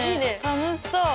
楽しそう！